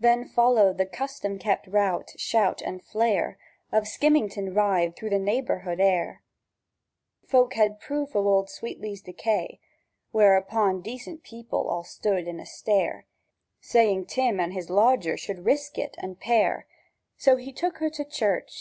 Then followed the custom kept rout, shout, and flare Of a skimmington ride through the naibourhood, ere Folk had proof o' wold Sweatley's decay. Whereupon decent people all stood in a stare, Saying Tim and his lodger should risk it, and pair: So he took her to church.